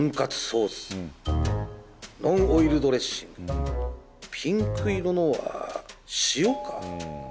ソースノンオイルドレッシングピンク色のは塩か？